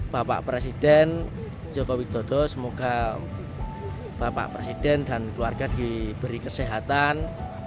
bapak presiden joko widodo semoga bapak presiden dan keluarga diberi kesehatan